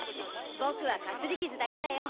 僕はかすり傷だけだよ。